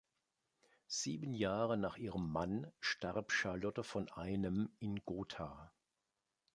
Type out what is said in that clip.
Sieben Jahre nach ihrem Mann starb Charlotte von Einem in Gotha.